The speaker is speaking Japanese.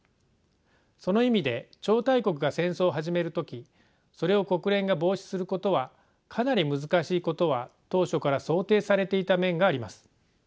その意味で超大国が戦争を始める時それを国連が防止することはかなり難しいことは当初から想定されていた面があります。